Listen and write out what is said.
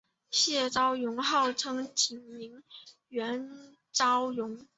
谢昭容号称景宁园昭容。